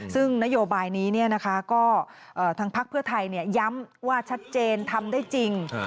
ซึ่งนโยบายนี้ก็ทางพักเพื่อไทยย้ำว่าชัดเจนทำได้จริง